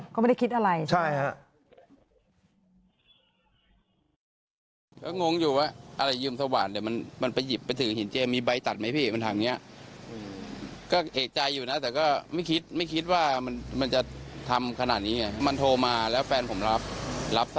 ก็ไม่ได้คิดอะไรใช่ไหมครับใช่ครับ